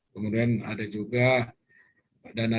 kemudian ada juga dana